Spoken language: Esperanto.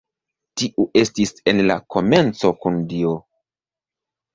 Tiu estis en la komenco kun Dio.